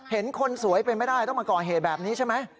คนสวยเป็นไม่ได้ต้องมาก่อเหตุแบบนี้ใช่ไหม